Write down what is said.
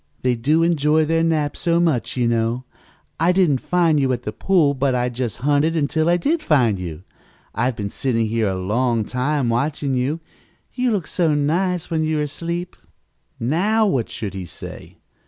They do enjoy their naps so much, you know. I didn't find you at the pool but I just hunted until I did find you. I've been sitting here a long time watching you. You look so nice when you are asleep." Now what should he say?